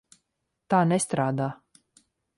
Tā nestrādā.